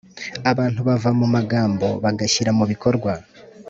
abantu bava mu magambo bagashyira mu bikorwa